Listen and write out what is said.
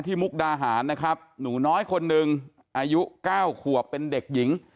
ที่มุกดาหารนะครับหนูน้อยคนนึงอายุเก้าขัวเป็นเด็กหญิง